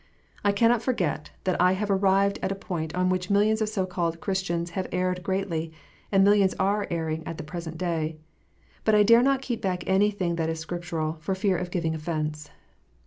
I cannot forget that I have arrived at a point on which millions of so called Chris tians have erred greatly, and millions are erring at the present day. But I dare not keep back anything that is Scriptural, for fear of giving offence.